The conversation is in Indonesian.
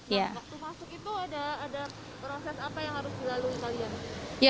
waktu masuk itu ada proses apa yang harus dilalui kalian